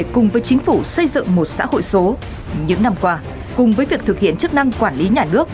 cùng với chính phủ xây dựng một xã hội số những năm qua cùng với việc thực hiện chức năng quản lý nhà nước